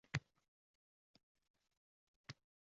Biz texnologiyani yoʻnaltirilgan deb aytishimiz mumkin.